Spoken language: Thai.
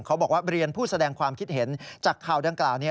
เขาบอกว่าเรียนผู้แสดงความคิดเห็นจากข่าวดังกล่าว